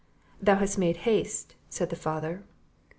"Thou hast made haste," said the father.